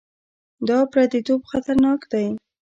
دا پرديتوب خطرناک دی.